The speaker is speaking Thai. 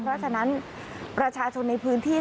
เพราะฉะนั้นประชาชนในพื้นที่